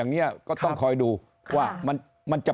อย่างนี้ก็ต้องคอยดูว่ามันจะ